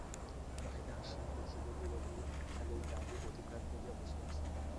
বাহিরে আসিয়া দেখিলে, বিনোদিনী একখানি গাড়ি অধিকার করিয়া বসিয়াছে।